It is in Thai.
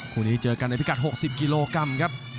คู่นี้เจอกันในพิกัด๖๐กิโลกรัมครับ